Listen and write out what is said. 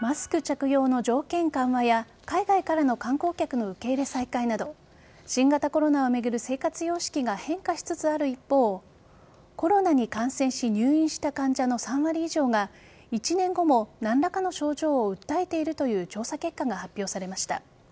マスク着用の条件緩和や海外からの観光客の受け入れ再開など新型コロナを巡る生活様式が変化しつつある一方コロナに感染し入院した患者の３割以上が１年後も何らかの症状を訴えているという調査結果が発表されました。